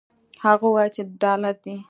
هغه وویل چې دلار دي.